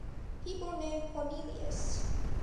People named Cornelius.